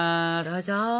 どうぞ！